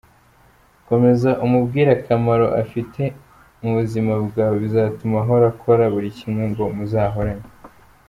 Komeza umubwire akamaro afite mu ubuzima bwawe bizatuma ahora akora buri kimwe ngo muzahorane.